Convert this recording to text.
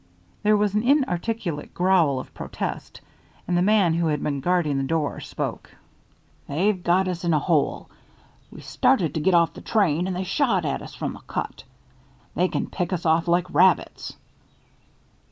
There was an inarticulate growl of protest, and the man who had been guarding the door spoke: "They've got us in a hole. We started to get off the train and they shot at us from the cut. They can pick us off like rabbits."